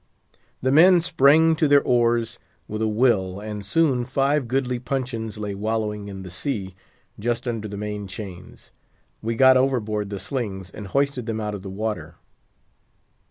The men sprang to their oars with a will, and soon five goodly puncheons lay wallowing in the sea, just under the main chains. We got overboard the slings, and hoisted them out of the water.